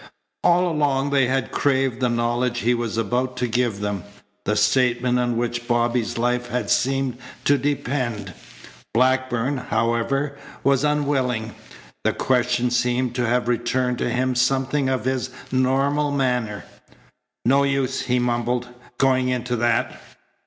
All along they had craved the knowledge he was about to give them, the statement on which Bobby's life had seemed to depend. Blackburn, however, was unwilling. The question seemed to have returned to him something of his normal manner. "No use," he mumbled, "going into that."